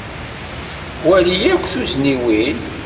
Wali akk tuzniwin.